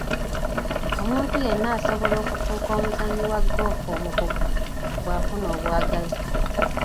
Omuntu yenna asobola okufuuka omuzannyi wa ggoofu omukugu bw'afuna obwagazi.